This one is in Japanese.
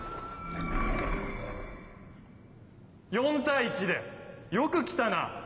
４対１でよく来たな。